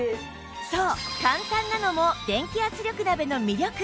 そう簡単なのも電気圧力鍋の魅力！